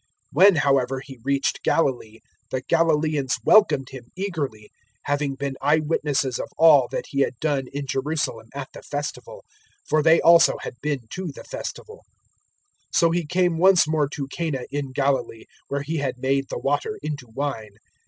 004:045 When however He reached Galilee, the Galilaeans welcomed Him eagerly, having been eye witnesses of all that He had done in Jerusalem at the Festival; for they also had been to the Festival. 004:046 So He came once more to Cana in Galilee, where He had made the water into wine.